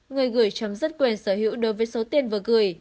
người gửi chấm dứt quyền sở hữu đối với số tiền vừa gửi